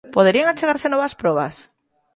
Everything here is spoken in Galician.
Poderían achegarse novas probas?